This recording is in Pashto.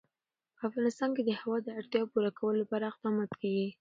په افغانستان کې د هوا د اړتیاوو پوره کولو لپاره اقدامات کېږي.